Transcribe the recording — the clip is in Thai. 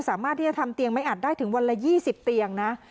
สามารถที่จะทำเตียงไม่อัดได้ถึงวันละ๒๐เตียงนะ